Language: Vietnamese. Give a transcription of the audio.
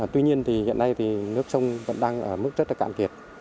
tuy nhiên hiện nay nước sông vẫn đang ở mức rất là cạn kiệt